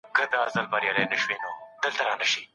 د جوماتونو له لاري ښه پیغامونه خپریدل.